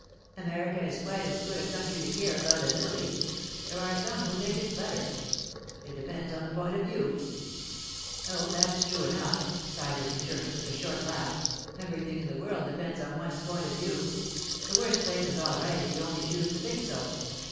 America is quite as good a country to care about as Italy—there are some who think it's better; it depends on the point of view.' 'Oh, that's true enough,' Sybert returned, with a short laugh. 'Everything in the world depends on one's point of view; the worst place is all right if you only choose to think so.